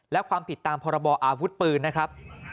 และความผิดตามพรบออาวุธปืนนะครับ